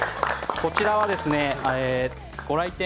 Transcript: こちらはご来店